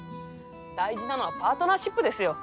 大事なのはパートナーシップですよ。